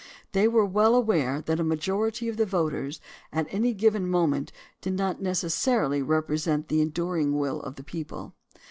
They were well aware that a majority of the voters at any given moment did not necessarily represent the enduring will of the people.